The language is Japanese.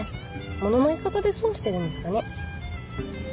物の言い方で損してるんですかね。